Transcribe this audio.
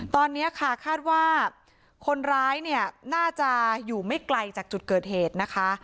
ตอนนี้ค่ะคาดว่าคนร้ายเนี่ยน่าจะอยู่ไม่ไกลจากจุดเกิดเหตุนะคะ